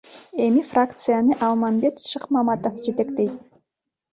Эми фракцияны Алмамбет Шыкмаматов жетектейт.